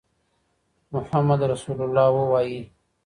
محمد رسول الله ووایئ.